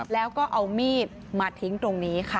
แล้วก็เอามีดมาทิ้งตรงนี้ค่ะ